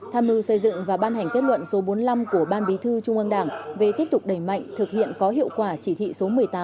tham mưu xây dựng và ban hành kết luận số bốn mươi năm của ban bí thư trung ương đảng về tiếp tục đẩy mạnh thực hiện có hiệu quả chỉ thị số một mươi tám